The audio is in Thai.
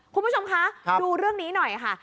คุณผู้ชมคะดูเรื่องนี้หน่อยค่ะ